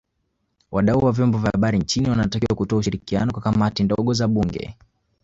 Wadau wa Vyombo vya Habari nchini wanatakiwa kutoa ushirikiano kwa Kamati ndogo ya Bunge